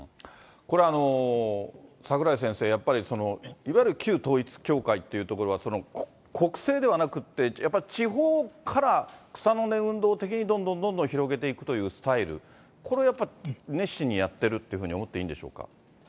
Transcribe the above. これ櫻井先生、やっぱりいわゆる旧統一教会というところは、国政ではなくて、やっぱり地方から草の根運動的にどんどんどんどん広げていくというスタイル、これはやっぱり熱心にやってるって思っていいんでしょうか。